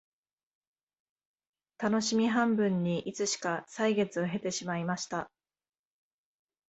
たのしみ半分にいつしか歳月を経てしまいました